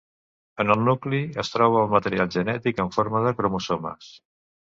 En el nucli es troba el material genètic en forma de cromosomes.